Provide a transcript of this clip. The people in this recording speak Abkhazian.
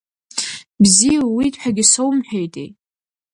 Бзиа ууит ҳәагьы соумҳәеитеи?